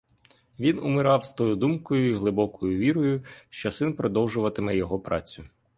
Він умирав з тою думкою й глибокою вірою, що син продовжуватиме його працю.